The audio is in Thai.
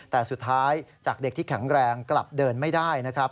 แต่สุดท้ายจากเด็กที่แข็งแรงกลับเดินไม่ได้นะครับ